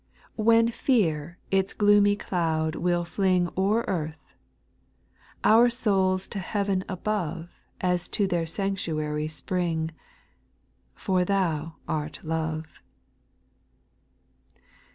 SPIRITUAL SONGS. Ill fU When fear its gloomy cloud will fling O'er earth, — our souls to heaven above As to their sanctuary spring, For Thou art love.